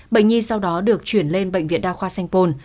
bệnh nhi sau đó được chuyển lên bệnh viện đa khoa sanh pôn